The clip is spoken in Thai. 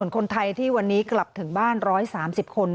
คนไทยที่วันนี้กลับถึงบ้าน๑๓๐คน